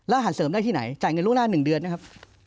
อาหารเสริมได้ที่ไหนจ่ายเงินล่วงหน้า๑เดือนนะครับ